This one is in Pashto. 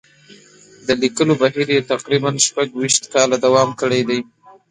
د لیکلو بهیر یې تقریباً شپږ ویشت کاله دوام کړی دی.